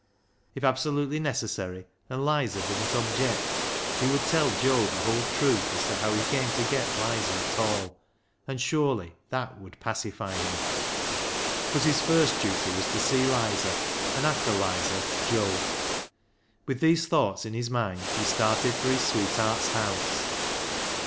If absolutely necessary, and Lizer didn't object, he would tell Joe the whole truth as to how he came to get Lizer at all, and surely that would pacify him. But his first duty was to see Lizer, and after Lizer, Joe. With these thoughts in his mind, he started for his sweetheart's house.